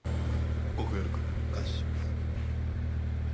ご協力感謝します。